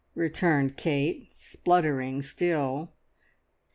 returned Kate, spluttering still.